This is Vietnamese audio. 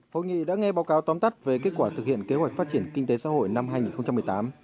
hội nghị đã nghe báo cáo tóm tắt về kết quả thực hiện kế hoạch phát triển kinh tế xã hội năm hai nghìn một mươi tám